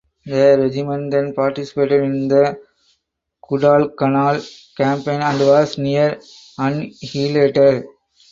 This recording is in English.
The regiment then participated in the Guadalcanal Campaign and was near annihilated.